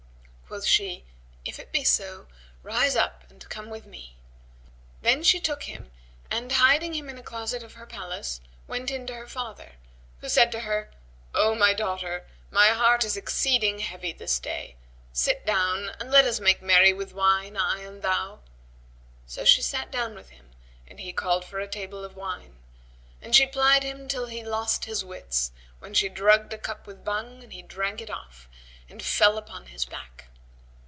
Quoth she, "If it be so, rise up and come with me." Then she took him and, hiding him in a closet of her palace, went in to her father, who said to her, "O my daughter, my heart is exceeding heavy this day; sit down and let us make merry with wine, I and thou." So she sat down with him and he called for a table of wine; and she plied him till he lost his wits, when she drugged a cup with Bhang and he drank it off and fell upon his back.